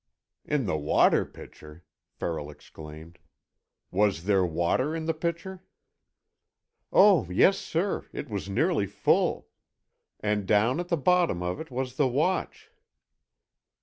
"In the water pitcher!" Farrell exclaimed. "Was there water in the pitcher?" "Oh, yes, sir, it was nearly full. And down at the bottom of it was the watch."